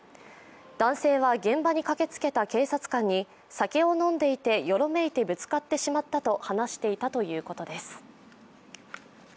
男性は現場に駆けつけた警察官に酒を飲んでいてよろめいてぶつかってしまったと話していたということです。